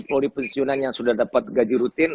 poliposisional yang sudah dapat gaji rutin